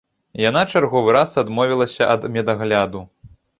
Яна чарговы раз адмовілася ад медагляду.